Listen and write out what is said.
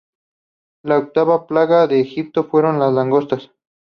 La octava plaga de Egipto fueron las langostas.